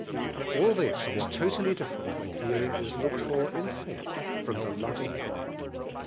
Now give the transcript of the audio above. All this is totally different when heal ing is looked for in faith from the loving God.